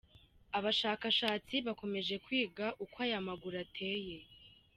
Abashakashatsi bakomeje kwiga uko aya maguru ateye.